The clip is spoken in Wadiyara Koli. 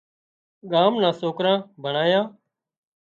ڳام نان سوڪران ڀڻيان